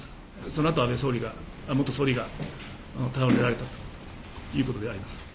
そのあと安倍元総理が、倒れられたということであります。